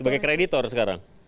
sebagai kreditor sekarang